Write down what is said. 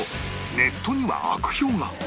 ネットには悪評が